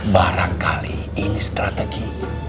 barangkali ini strategi